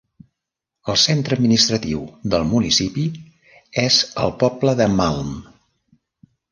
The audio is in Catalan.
El centre administratiu del municipi és el poble de Malm.